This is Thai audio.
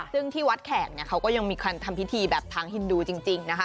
ซึ่งที่วัดแขกเนี่ยเขาก็ยังมีการทำพิธีแบบทางฮินดูจริงนะคะ